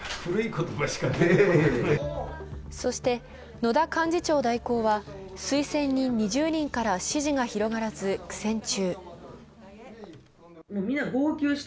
野田幹事長代行は推薦人２０人から支持が広がらず、苦戦中。